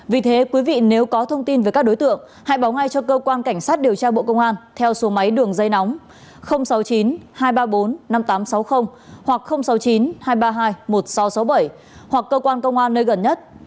vì thế quý vị nếu có thông tin về các đối tượng hãy báo ngay cho cơ quan cảnh sát điều tra bộ công an theo số máy đường dây nóng sáu mươi chín hai trăm ba mươi bốn năm nghìn tám trăm sáu mươi hoặc sáu mươi chín hai trăm ba mươi hai một nghìn sáu trăm sáu mươi bảy hoặc cơ quan công an nơi gần nhất